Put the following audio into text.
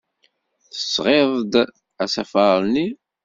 Tesɣiḍ-d asafar-nni?